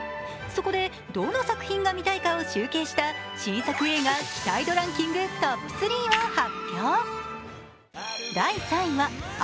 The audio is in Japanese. そこで、どの作品が見たいかを集計した新作映画期待度ランキング、トップ３を発表。